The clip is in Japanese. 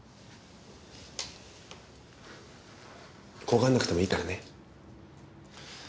怖がらなくてもいいからね。